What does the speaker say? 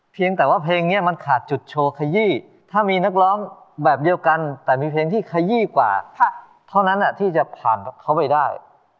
เพียงแต่ว่าเพลงนี้มันขาดจุดโชว์ขยี้ถ้ามีนักร้องแบบเดียวกันแต่มีเพลงที่ขยี้กว่าเท่านั้นที่จะผ่านเขาไปได้